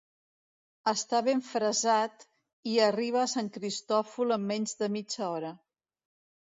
Està ben fressat i arriba a Sant Cristòfol en menys de mitja hora.